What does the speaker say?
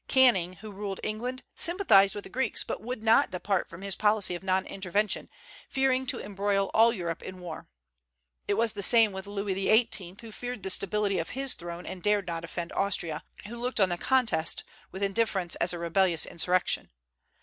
Canning, who ruled England, sympathized with the Greeks, but would not depart from his policy of non intervention, fearing to embroil all Europe in war. It was the same with Louis XVIII., who feared the stability of his throne and dared not offend Austria, who looked on the contest with indifference as a rebellious insurrection.